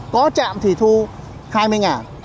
có trạm thì thu hai mươi ngàn